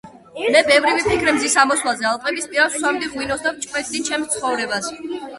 მე ბევრი ვიფიქრე მზის ამოსვლაზე ალპების პირას ვსვამდი ღვინოს და ვჭვრეტდი ჩემს ცხოვრებას.